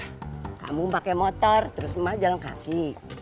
kamu pake motor terus emak jalan kaki